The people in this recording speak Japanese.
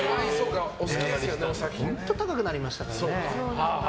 本当高くなりましたからね。